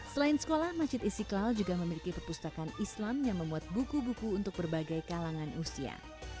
selain sekolah masjid istiqlal juga memiliki perpustakaan islam yang memuat buku buku untuk berbagai kalangan usia